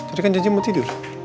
ada kan janji mau tidur